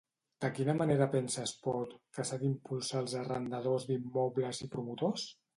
De quina manera pensa Espot que s'ha d'impulsar als arrendadors d'immobles i promotors?